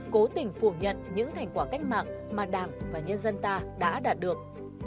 cố tình phủ nhận những thành quả cách mạng mà đảng và nhân dân ta đã đạt được